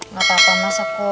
gak apa apa mas aku